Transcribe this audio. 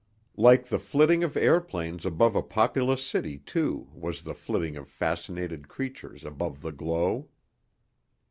Like the flitting of airplanes above a populous city, too, was the flitting of fascinated creatures above the glow.